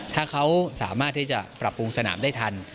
ถ้าเขาสามารถที่จะปรับปรุงสนามได้ทัน